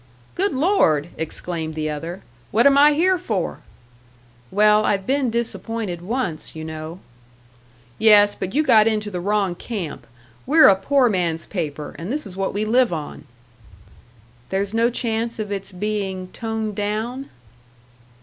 "Good Lord!" exclaimed the other. "What am I here for?" "Well, I've been disappointed once, you know." "Yes, but you got into the wrong camp. We're a poor man's paper, and this is what we live on." "There's no chance of its being 'toned down'?"